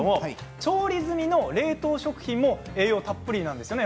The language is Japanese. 調理済みの冷凍食品も栄養たっぷりなんですよね？